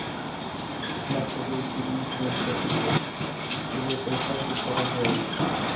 Dacă vei fi mult timp prefăcut, te vei preface fără voie.